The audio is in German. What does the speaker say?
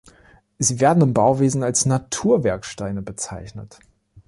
Sie werden im Bauwesen als Naturwerksteine bezeichnet.